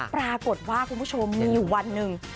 ปรากฏว่าคุณผู้ชมมีวันนึง